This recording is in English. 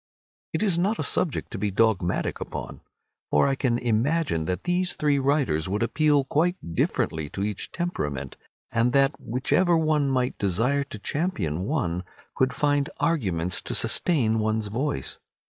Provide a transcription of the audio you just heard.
It is not a subject to be dogmatic upon, for I can imagine that these three writers would appeal quite differently to every temperament, and that whichever one might desire to champion one could find arguments to sustain one's choice.